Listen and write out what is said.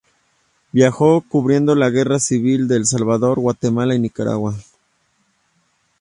Viajó cubriendo la guerra civil de El Salvador, Guatemala y Nicaragua.